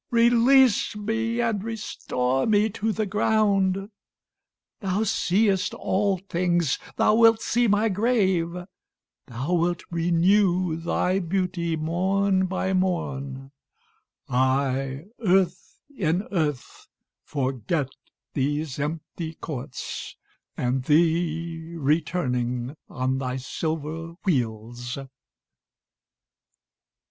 Release me, and restore me to the ground; Thou seest all things, thou wilt see my grave: Thou wilt renew thy beauty morn by morn; I earth in earth forget these empty courts, And thee returning on thy silver wheels.